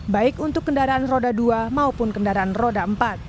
baik untuk kendaraan roda dua maupun kendaraan roda empat